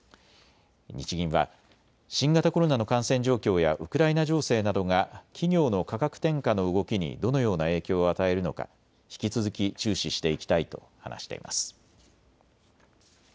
日銀は、新型コロナの感染状況やウクライナ情勢などが企業の価格転嫁の動きにどのような影響を与えるのか引き続き注視していきたいと話しています。